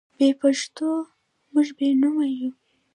بې پښتوه موږ بې نومه یو.